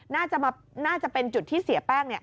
น่าจะมาน่าจะเป็นจุดที่เสียแป้งเนี่ย